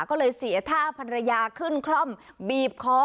ก็เลยเสียท่าภรรยาขึ้นคล่อมบีบคอ